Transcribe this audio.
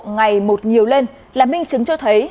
ngày một nhiều lên là minh chứng cho thấy